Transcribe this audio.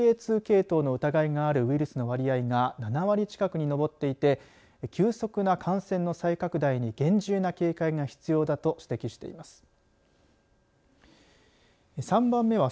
２系統の疑いがあるウイルスの割合が７割近くに上っていて急速な感染の再拡大に厳重な警戒が必要だと指摘しています。